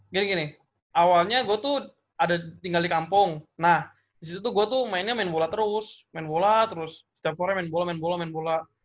gini gini awalnya gue tuh ada tinggal di kampung nah disitu gue tuh mainnya main bola terus main bola terus setiap fore main bola main bola main bola